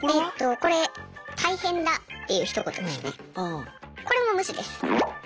これも無視です。